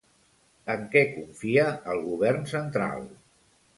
En què confia el govern central?